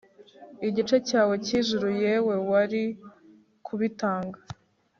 igice cyawe cy'ijuru, yewe! wari kubitanga